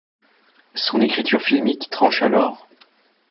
Son écriture filmique tranche alors.